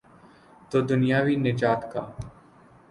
تو دنیاوی نجات کا۔